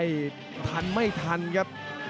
เสริมหักทิ้งลงไปครับรอบเย็นมากครับ